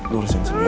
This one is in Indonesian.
lurusin dulu ya